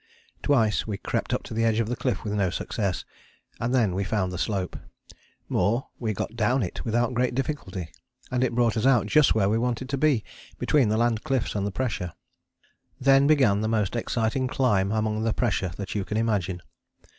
Twice we crept up to the edge of the cliff with no success, and then we found the slope: more, we got down it without great difficulty and it brought us out just where we wanted to be, between the land cliffs and the pressure. [Illustration: THE BARRIER PRESSURE AT CAPE CROZIER] Then began the most exciting climb among the pressure that you can imagine.